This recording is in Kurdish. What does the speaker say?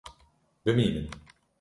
Bimînin!